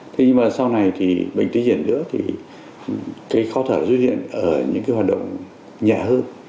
thế nhưng mà sau này thì bệnh tí diện nữa thì cái khó thở diễn hiện ở những hoạt động nhẹ hơn